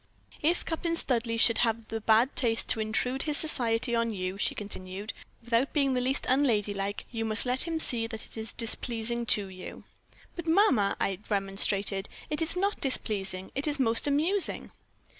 "'If Captain Studleigh should have the bad taste to intrude his society on you,' she continued, 'without being the least unladylike, you must let him see that it is displeasing to you.' "'But, mamma,' I remonstrated, 'it is not displeasing; it is most amusing.'